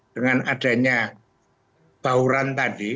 dengan adanya bauran tadi